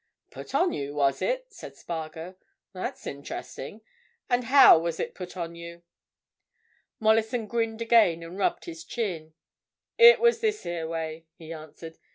"Put on you, was it?" said Spargo. "That's interesting. And how was it put on you?" Mollison grinned again and rubbed his chin. "It was this here way," he answered.